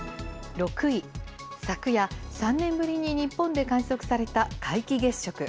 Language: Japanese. ６位、昨夜、３年ぶりに日本で観測された皆既月食。